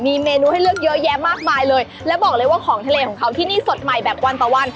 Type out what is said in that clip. มีเมนูให้เลือกเยอะแยะมากมายเลยแล้วบอกเลยว่าของทะเลของเขาที่นี่สดใหม่แบบวันต่อวัน